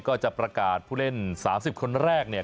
ก็จะประกาศผู้เล่น๓๐คนแรกเนี่ย